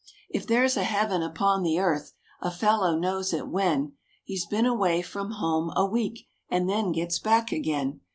If there's a heaven upon the earth, a fellow knows it when He's been away from home a week, and then gets back again.